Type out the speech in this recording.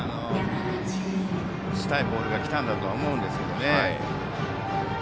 打ちたいボールが来たんだとは思うんですけどね。